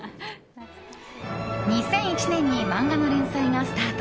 ２００１年に漫画の連載がスタート。